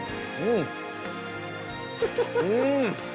うん！